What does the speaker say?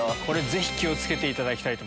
ぜひ気を付けていただきたい。